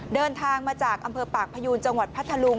เดินทางมาจากอำเภอปากพยูนจังหวัดพัทธลุง